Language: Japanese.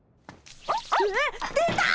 うわっ出た！